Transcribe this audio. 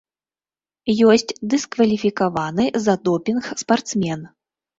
Ёсць дыскваліфікаваны за допінг спартсмен.